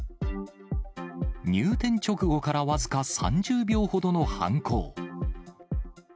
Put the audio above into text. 入店直後から僅か３０秒ほどの犯行。